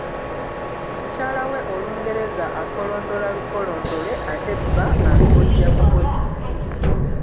Mukyala we Olungereza akolondola lukolondole ate nga bba alubojja bubozzi.